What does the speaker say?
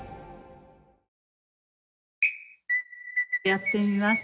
やってみます